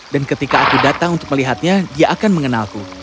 dan ketika aku datang untuk melihatnya dia akan mengenalku